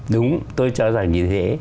đúng tôi cho rằng như thế